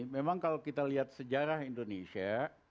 memang kalau kita lihat sejarah indonesia